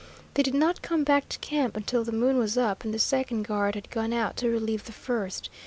They did not come back to camp until the moon was up and the second guard had gone out to relieve the first.